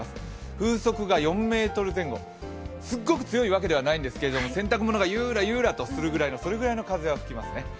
風速が４メートル前後、すごく強いわけではないんですが洗濯物がゆーらゆーらとするくらいの風が吹きますね。